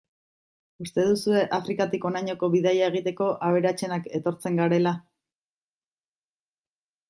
Uste duzue Afrikatik honainoko bidaia egiteko, aberatsenak etortzen garela.